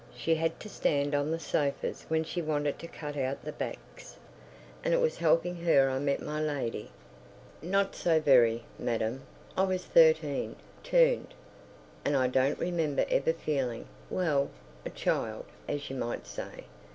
She had to stand on the sofas when she wanted to cut out the backs. And it was helping her I met my lady.... ... Not so very, madam. I was thirteen, turned. And I don't remember ever feeling—well—a child, as you might say.